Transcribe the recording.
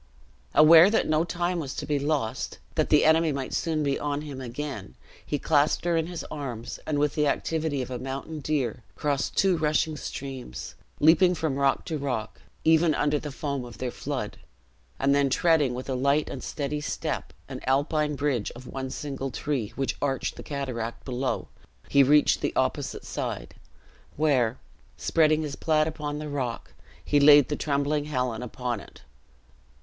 Aware that no time was to be lost, that the enemy might soon be on him again, he clasped her in his arms, and with the activity of a mountain deer, crossed two rushing streams; leaping from rock to rock, even under the foam of their flood; and then treading with a light and steady step, an alpine bridge of one single tree, which arched the cataract below, he reached the opposite side, where, spreading his plaid upon the rock, he laid the trembling Helen upon it.